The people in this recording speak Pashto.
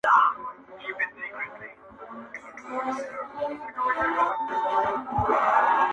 مخ ځيني واړوه ته~